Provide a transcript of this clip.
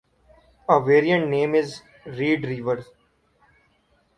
A variant name is "Reed River".